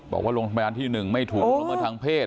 บอกว่าโรงพยาบาลที่๑ไม่ถูกละเมิดทางเพศ